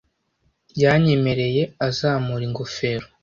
Yanyemereye azamura ingofero.